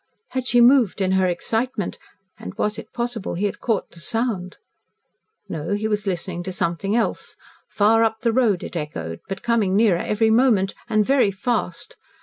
Had she moved in her excitement, and was it possible he had caught the sound? No, he was listening to something else. Far up the road it echoed, but coming nearer every moment, and very fast.